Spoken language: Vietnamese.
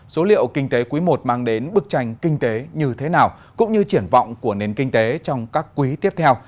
số liệu kinh tế quý i mang đến bức tranh kinh tế như thế nào cũng như triển vọng của nền kinh tế trong các quý tiếp theo